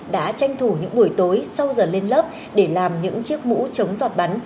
đã tranh thủ những buổi tối sau giờ lên lớp để làm những chiếc mũ chống giọt bắn